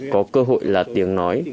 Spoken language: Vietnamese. có cơ hội là tiếng nói